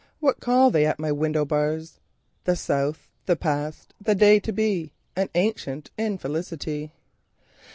What call they at my window bars? The South, the past, the day to be, An ancient infelicity.